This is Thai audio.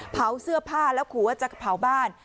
เผาเสื้อผ้าแล้วขู่ว่าจะเผาบ้าน